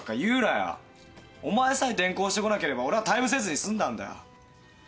お前さえ転校してこなければ俺は退部せずに済んだんだよ。